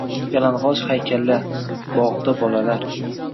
Yalang’och haykallar… bog’da bolalar…